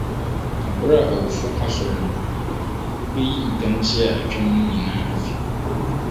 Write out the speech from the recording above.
Na bere a awufo asɔre no, wobeyi ntɛnkyea a atwam no nyinaa afi hɔ.